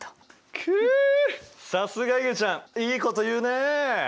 くうさすがいげちゃん！いいこと言うねえ。